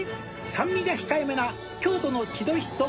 「酸味が控えめな京都の千鳥酢と」